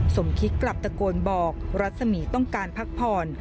สมคิตกลับตะโกนบอกรัศมีต้องการพักผ่อน